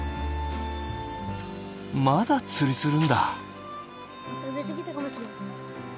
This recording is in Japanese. まだ釣りするんだ！